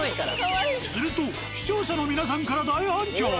すると視聴者の皆さんから大反響。